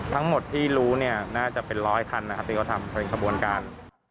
ทั้งหมดที่รู้น่าจะเป็นร้อยคันที่เขาทำในกระบวนการ